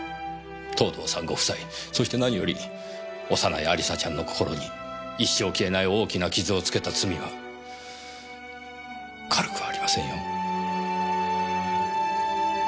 藤堂さんご夫妻そして何より幼い亜里沙ちゃんの心に一生消えない大きな傷を付けた罪は軽くはありませんよ。